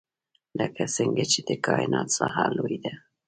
لکه څنګه چې د کاینات ساحه لوی ده.